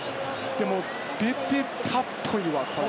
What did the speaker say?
でも出てたっぽいわ、これ。